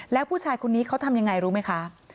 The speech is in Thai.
แล้วผู้ชายคนนี้เขาทำยังไงรู้ไหมคะ